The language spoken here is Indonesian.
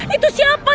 itu siapa ya